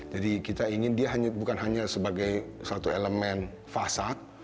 jadi kita ingin dia bukan hanya sebagai satu elemen fasad